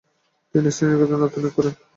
তিনি শ্রীনিকেতনে আত্মনিয়োগ করেন।